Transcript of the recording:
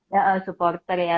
ya supporter ya